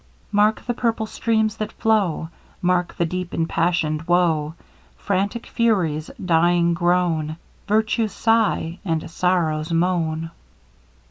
Mark the purple streams that flow! Mark the deep empassioned woe! Frantic Fury's dying groan! Virtue's sigh, and Sorrow's moan!